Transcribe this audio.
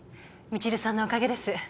未知留さんのおかげです